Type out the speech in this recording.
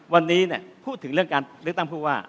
วันนี้พูดถึงเรื่องการเลือกตั้งผู้ว่า